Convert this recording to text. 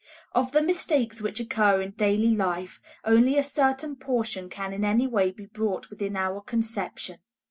Of the mistakes which occur in daily life, only a certain portion can in any way be brought within our conception.